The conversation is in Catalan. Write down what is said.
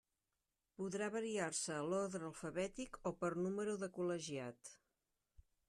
Podrà variar-se l'orde alfabètic o per número de col·legiat.